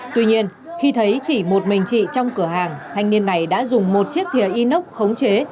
tuy nhiên khi thấy chỉ một mình chị trong cửa hàng thanh niên này đã dùng một chiếc thia inox khống chế